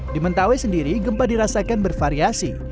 di mentawai sendiri gempa dirasakan bervariasi